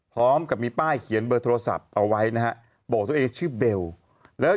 พร้อมกับมีป้ายเขียนเบอร์โทรศัพท์เอาไว้นะฮะบอกตัวเองชื่อเบลแล้ว